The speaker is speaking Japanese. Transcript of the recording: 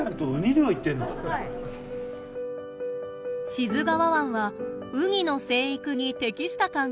志津川湾はウニの成育に適した環境です。